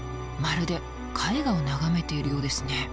まるで絵画を眺めているようですね。